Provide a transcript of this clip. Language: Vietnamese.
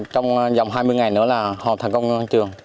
trong dòng hai mươi ngày nữa là hoàn thành công trường